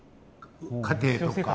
家庭とか。